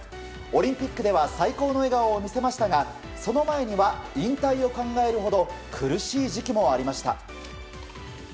オリンピックでは最高の笑顔を見せましたがその前には引退を考えるほど苦しい時期もありました。